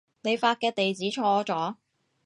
你發嘅地址錯咗